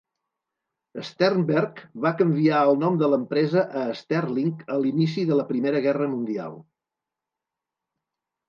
Sternberg va canviar el nom de l'empresa a Sterling a l'inici de la Primera Guerra Mundial.